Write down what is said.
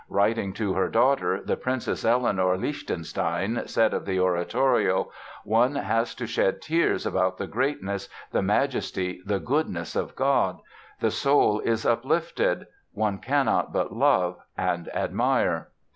Writing to her daughter, the Princess Eleanore Liechtenstein said of the oratorio, "One has to shed tears about the greatness, the majesty, the goodness of God. The soul is uplifted. One cannot but love and admire."